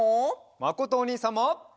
まことおにいさんも。